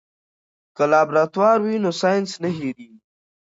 که لابراتوار وي نو ساینس نه هېریږي.